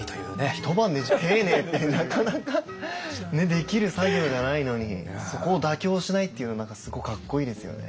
一晩で丁寧ってなかなかできる作業じゃないのにそこを妥協しないっていうのすごいかっこいいですよね。